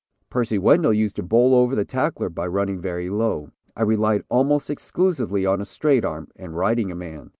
"Percy Wendell used to bowl over the tackler by running very low. I relied almost exclusively on a straight arm, and 'riding a man.'